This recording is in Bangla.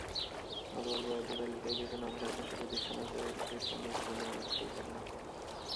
আবার বরাদ্দ তালিকায় কিছু নামসর্বস্ব প্রতিষ্ঠান আছে, যেখানে কোনো অর্থই দেন না।